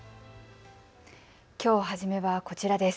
きょう初めはこちらです。